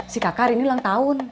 si kakak ini ulang tahun